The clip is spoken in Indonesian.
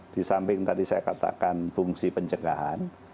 di samping tadi saya katakan fungsi pencegahan